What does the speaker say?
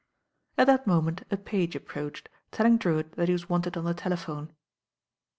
At f hat moment a page approached, telling Drewitt that he was wanted on the telephone.